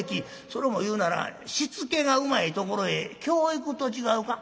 それも言うなら『しつけがうまいところへ教育』と違うか？」。